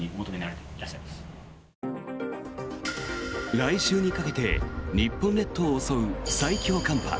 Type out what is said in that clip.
来週にかけて日本列島を襲う最強寒波。